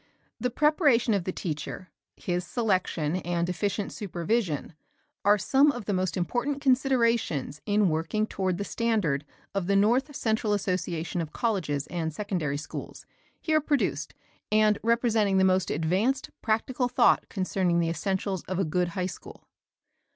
The preparation of the teacher, his selection and efficient supervision are some of the most important considerations in working toward the standards of the North Central Association of Colleges and Secondary Schools here produced and representing the most advanced practical thought concerning the essentials of a good high school.